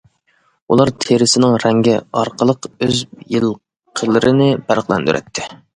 ئۇلار تېرىسىنىڭ رەڭگى ئارقىلىق ئۆز يىلقىلىرىنى پەرقلەندۈرەتتى.